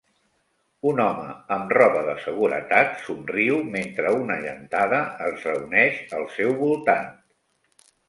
Un home amb roba de seguretat somriu mentre una gentada es reuneix al seu voltant.